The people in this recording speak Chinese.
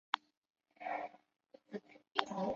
短时间可能还可以